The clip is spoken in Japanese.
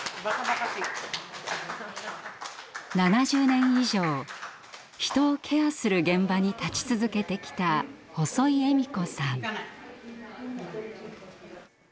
７０年以上人をケアする現場に立ち続けてきた細井恵美子さん。